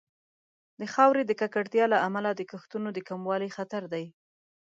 د خاورې د ککړتیا له امله د کښتونو د کموالي خطر دی.